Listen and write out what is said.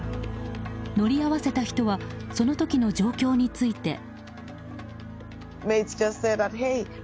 乗り合わせた人はその時の状況について。